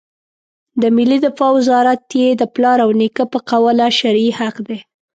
د ملي دفاع وزارت یې د پلار او نیکه په قواله شرعي حق دی.